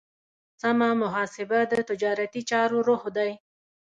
سمه محاسبه د تجارتي چارو روح دی.